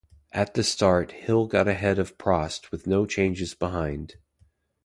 At the start, Hill got ahead of Prost with no changes behind.